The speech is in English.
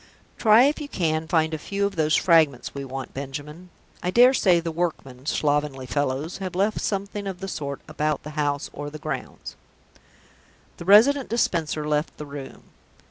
"Try if you can find a few of those fragments that we want, Benjamin. I dare say the workmen (slovenly fellows!) have left something of the sort about the house or the grounds." The Resident Dispenser left the room.